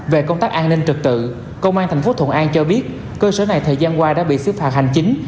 về công tác an ninh trực tự công an thành phố thuận an cho biết cơ sở này thời gian qua đã bị xếp phạt hành chính